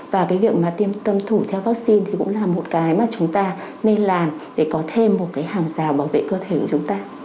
và cái việc mà tiêm tâm thủ theo vaccine thì cũng là một cái mà chúng ta nên làm để có thêm một cái hàng rào bảo vệ cơ thể của chúng ta